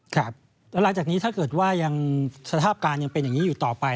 ครับแล้วหลังจากนี้ถ้าเกิดว่ายังสภาพการยังเป็นอย่างนี้อยู่ต่อไป